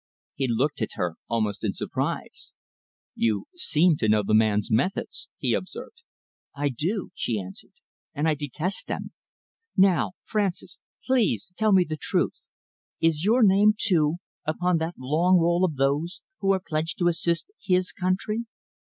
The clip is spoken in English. He looked at her almost in surprise. "You seem to know the man's methods," he observed. "I do," she answered, "and I detest them. Now, Francis, please tell me the truth. Is your name, too, upon that long roll of those who are pledged to assist his country?"